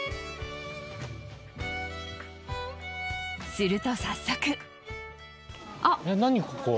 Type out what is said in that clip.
すると早速。